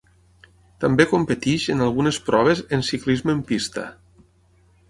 També competeix en algunes proves en ciclisme en pista.